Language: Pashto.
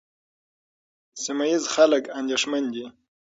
سیمه ییز خلک اندېښمن دي.